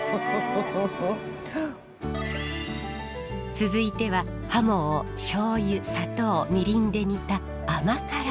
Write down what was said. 続いてははもをしょうゆ砂糖みりんで煮た甘辛煮。